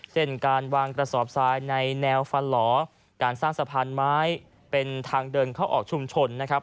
เช่นการวางกระสอบทรายในแนวฟันหล่อการสร้างสะพานไม้เป็นทางเดินเข้าออกชุมชนนะครับ